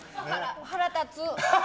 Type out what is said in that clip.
腹立つ。